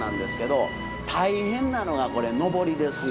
大変なのがこれ上りですよ。